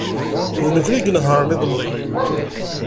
D nekkni ay inehṛen iḍelli.